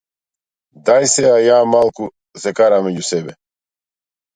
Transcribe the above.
Дај сеа ја малку, се караа меѓу себе.